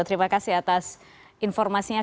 terima kasih atas informasinya